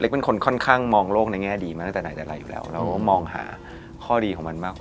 ได้พัฒนาตัวเองอย่างน้อยก็ทุกสิ่งที่เราทำมันมีข้อดีของมันอยู่แล้ว